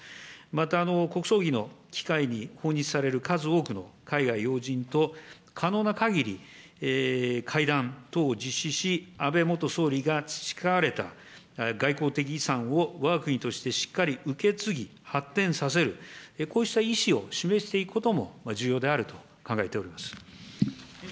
また、国葬儀の機会に訪日される数多くの海外要人と、可能なかぎり会談等を実施し、安倍元総理が培われた外交的遺産をわが国としてしっかり受け継ぎ、発展させる、こうした意思を示していくことも重要であると考えております。